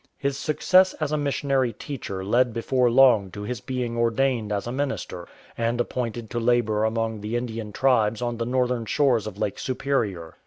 His success as a missionary teacher led before long to his being ordained as a minister, and appointed to labour among the Indian tribes on the northern shores of Lake Superior.